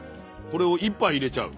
これを１杯入れちゃう？